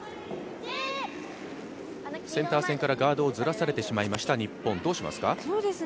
センター線からガードをずらされてしまいました日本、どうしますか。